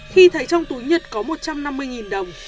khi thấy trong túi nhật có một trăm năm mươi đồng